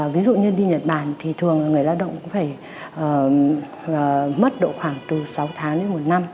ví dụ như đi nhật bản thì thường là người lao động cũng phải mất độ khoảng từ sáu tháng đến một năm